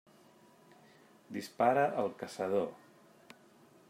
Dispara el caçador.